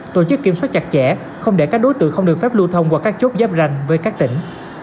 tổ chức kiểm soát chặt chẽ không để các đối tượng không được phép lưu thông qua các chốt giáp ranh với các tỉnh